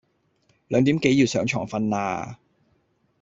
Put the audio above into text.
兩點幾要上床瞓啦